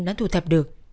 đã thu thập được